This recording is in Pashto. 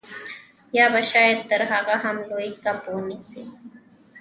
یا به شاید تر هغه هم لوی کب ونیسئ